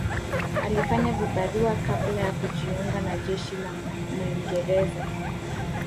Alifanya vibarua kabla ya kujiunga na jeshi la Mwingereza